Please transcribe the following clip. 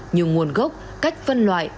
nhiều nguồn gốc cách phân loại